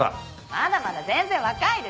まだまだ全然若いです。